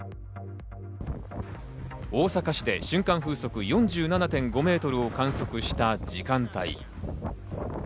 大阪市で最大瞬間風速４７．５メートルを観測した時間帯。